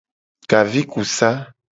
Gavikusa.